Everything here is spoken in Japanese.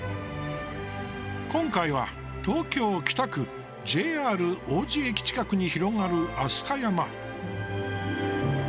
今回は、東京・北区ＪＲ王子駅近くに広がる飛鳥山。